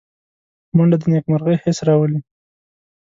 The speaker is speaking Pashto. منډه د نېکمرغۍ حس راولي